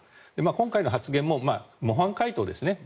今回の発言も模範解答ですね。